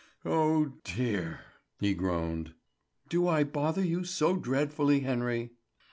"Oh, dear!" he groaned. "Do I bother you so dreadfully, Henry?"